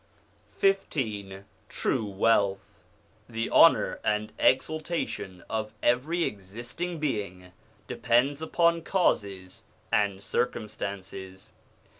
XV TRUE WEALTH THE honour and exaltation of every existing being depends upon causes and circumstances.